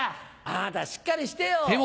あなたしっかりしてよ。